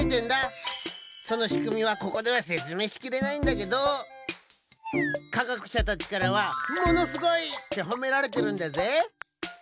そのしくみはここではせつめいしきれないんだけどかがくしゃたちからはものすごい！ってほめられてるんだぜ。